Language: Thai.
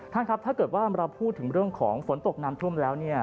ท่านครับถ้าเกิดว่าเราพูดถึงเรื่องของฝนตกน้ำท่วมแล้วเนี่ย